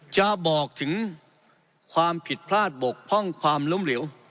จะบอกถึงความผิดพลาดบกพร่องความล้มเหลว